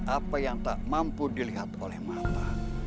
apa yang tak mampu dilihat oleh mata